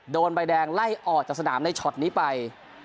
โดนใบแดงไล่ออกจากสนามในช็อตนี้ไป